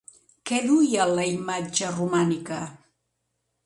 Què duia la imatge romànica?